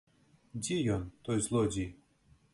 Дзе ён, той злодзей?